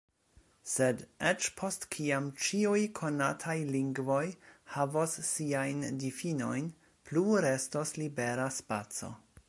Sed eĉ post kiam ĉiuj konataj lingvoj havos siajn difinojn, plu restos libera spaco.